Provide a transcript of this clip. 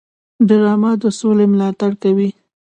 ډرامه د سولې ملاتړ کوي